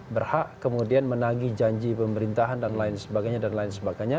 berhak kemudian menangi janji pemerintahan dan lain sebagainya